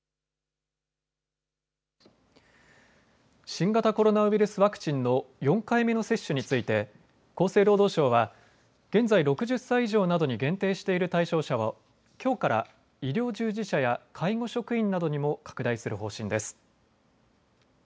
新型コロナウイルスワクチンの４回目の接種について厚生労働省は現在６０歳以上などに限定している対象者をきょうから医療従事者や介護職員などにも拡大する方針です。